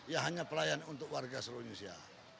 ya hanya pelayan untuk warga seluruh indonesia